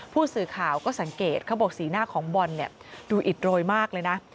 ผู้สื่อข่าวก็สังเกตเขาบอกสีหน้าของบอลเนี่ยดูอิดโรยมากเลยนะ